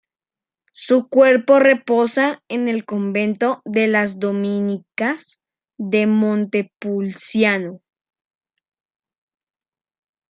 Su cuerpo reposa en el convento de las dominicas de Montepulciano.